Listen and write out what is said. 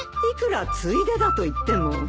いくらついでだといっても。